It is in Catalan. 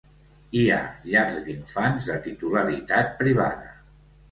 Hi ha llars d'infants de titularitat privada.